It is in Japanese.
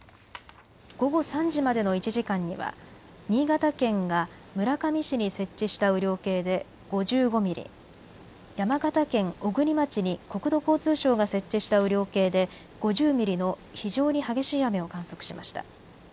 午後３時までの１時間には新潟県が村上市に設置した雨量計で５５ミリ、山形県小国町に国土交通省が設置した雨量計で５０ミリの非常に激しい雨を観測しました。